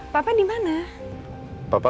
pak yang pake